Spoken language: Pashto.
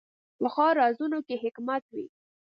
پخو رازونو کې حکمت وي